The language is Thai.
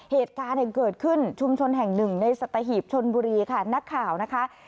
เหตุการณ์เกิดขึ้นชุมชนแห่งหนึ่งในสัตหีบชนบุรีค่ะนักข่าวนะคะ